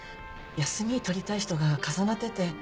休み取りたい人が重なってて。